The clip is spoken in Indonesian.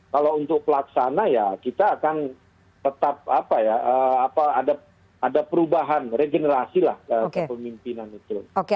kalau untuk pelaksana ya kita akan tetap ada perubahan regenerasi pemimpinan itu